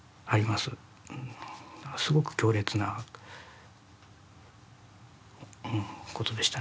すごく強烈なことでしたね。